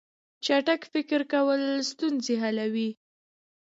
چټک فکر کول ستونزې حلوي.